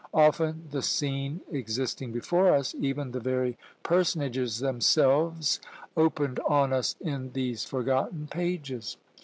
Often the scene existing before us, even the very personages themselves, opened on us in these forgotten pages.